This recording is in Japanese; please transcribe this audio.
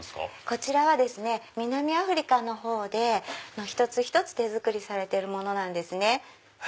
こちらは南アフリカのほうで一つ一つ手作りされてるものなんですね。